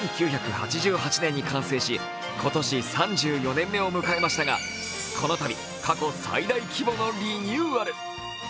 １９８８年に完成し、今年３４年目を迎えましたが、このたび、過去最大規模のリニューアル。